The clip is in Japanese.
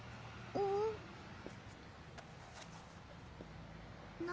うん？何？